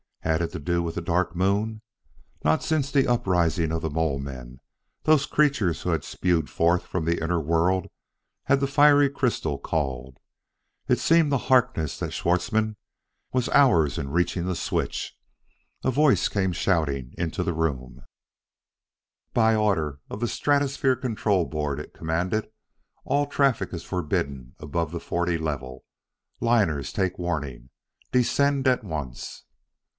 Had it to do with the Dark Moon? Not since the uprising of the Mole men, those creatures who had spewed forth from the inner world, had the fiery crystal called!... It seemed to Harkness that Schwartzmann was hours in reaching the switch.... A voice came shouting into the room: "By order of the Stratosphere Control Board," it commanded, "all traffic is forbidden above the forty level. Liners take warning. Descend at once."